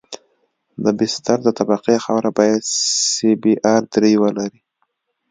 د بستر د طبقې خاوره باید سی بي ار درې ولري